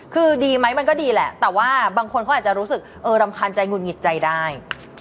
คือดีไหมมันก็ดีแหละแต่ว่าบางคนเขาอาจจะรู้สึกเออรำคาญใจหงุดหงิดใจได้